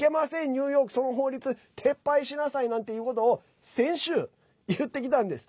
ニューヨーク、その法律撤廃しなさいなんていうことを先週、言ってきたんです。